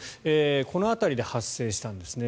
この辺りで発生したんですね